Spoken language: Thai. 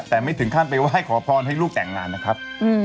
แต่ไม่ถึงขั้นไปไหว้ขอพรให้ลูกแต่งงานนะครับ